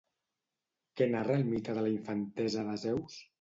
Què narra el mite de la infantesa de Zeus?